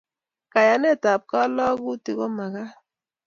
Kayanet ab kalalutik komakat